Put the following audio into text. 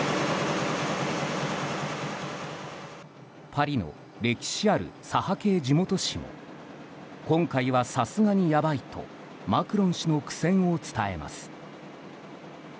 パリの歴史ある左派系地元紙も今回はさすがにやばいとマクロン氏の苦戦を伝えます。